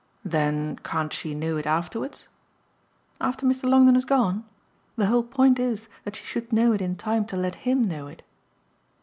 "Then can't she know it afterwards?" "After Mr. Longdon has gone? The whole point is that she should know it in time to let HIM know it."